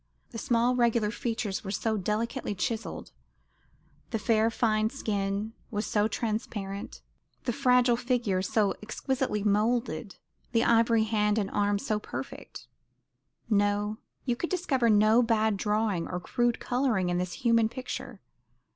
The small regular features were so delicately chiselled, the fair fine skin was so transparent, the fragile figure so exquisitely moulded, the ivory hand and arm so perfect no, you could discover no bad drawing or crude colouring in this human picture.